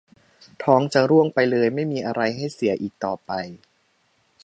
ท้องจะร่วงไปเลย ไม่มีอะไรให้เสียอีกต่อไป